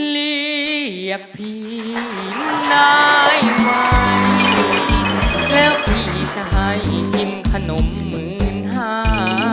เรียกพี่ได้ไหมแล้วพี่จะให้กินขนมหมื่นห้า